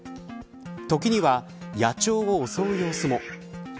時には、野鳥を襲う様子も。